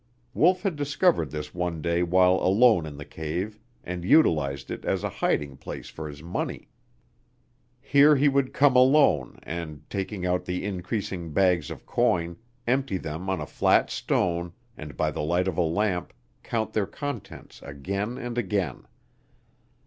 Wolf had discovered this one day while alone in the cave and utilized it as a hiding place for his money. Here he would come alone and, taking out the increasing bags of coin, empty them on a flat stone and, by the light of a lamp, count their contents again and again.